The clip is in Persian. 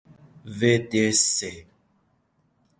ودص